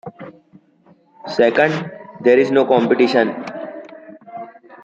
Second, there is no competition.